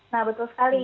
nah betul sekali